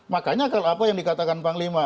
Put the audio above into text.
makanya kalau apa yang dikatakan panglima